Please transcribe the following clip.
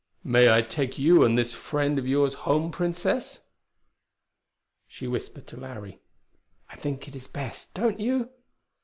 "May I take you and this friend of yours home, Princess?" She whispered to Larry, "I think it is best, don't you?"